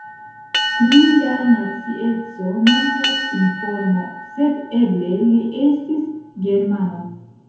Pri la nacieco mankas informo, sed eble li estis germano.